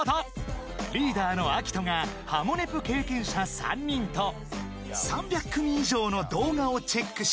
［リーダーのあきとが『ハモネプ』経験者３人と３００組以上の動画をチェックし］